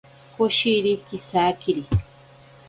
Koshiri kisakiri.